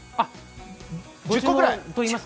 １０個ぐらい。